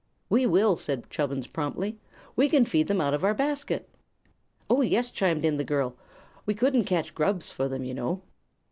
"We will," said Chubbins, promptly. "We can feed them out of our basket." "Oh, yes," chimed in the girl. "We couldn't catch grubs for them, you know."